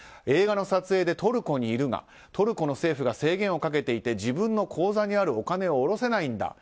映画の撮影でトルコにいるがトルコの政府が制限をかけていて自分の口座にあるお金を下ろせないんだ。